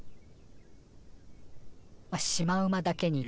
まあシマウマだけに。